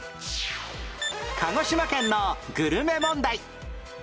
鹿児島県のグルメ問題